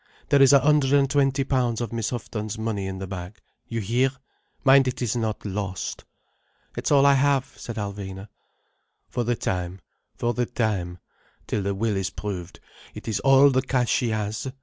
There is a hundred and twenty pounds of Miss Houghton's money in the bag. You hear? Mind it is not lost." "It's all I have," said Alvina. "For the time, for the time—till the will is proved, it is all the cash she has.